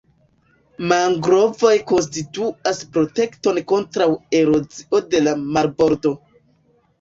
Mangrovoj konstituas protekton kontraŭ erozio de la marbordo.